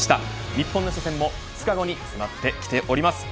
日本の初戦も２日後に迫ってきております。